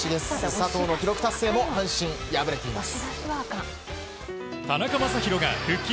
佐藤の記録達成も阪神敗れています。